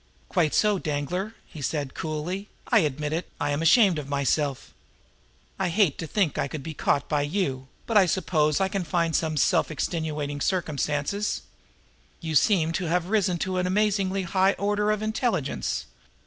"Quite so, Danglar!" he said coolly. "I admit it I am ashamed of myself. I hate to think that I could be caught by you; but I suppose I can find some self extenuating circumstances. You seem to have risen to an amazingly higher order of intelligence.